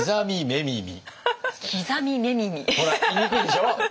ほら言いにくいでしょう？